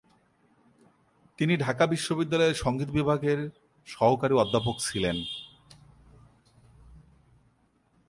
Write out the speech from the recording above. তিনি ঢাকা বিশ্ববিদ্যালয়ের সংগীত বিভাগের সহকারী অধ্যাপক।